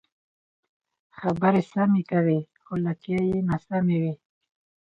خبرې سمې کوې خو لکۍ یې ناسمې وي.